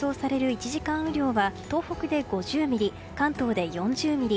１時間雨量は東北で５０ミリ関東で４０ミリ